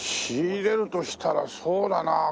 仕入れるとしたらそうだな